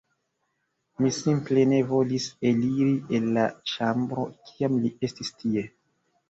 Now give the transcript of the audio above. Mi simple ne volis eliri el la ĉambro, kiam li estis tie.